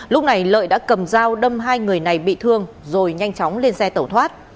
lúc này lợi đã cầm dao đâm hai người này bị thương rồi nhanh chóng lên xe tẩu thoát